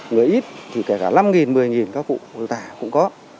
người ít thì cả năm một mươi các cụ quân tà cũng có